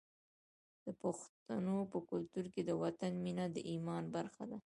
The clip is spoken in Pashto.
د پښتنو په کلتور کې د وطن مینه د ایمان برخه ده.